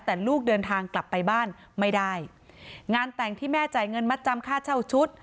แต่ลูกเดินทางกลับไปบ้านไม่ได้งานแต่งที่แม่จ่ายเงินมัดจำค่าเช่าชุด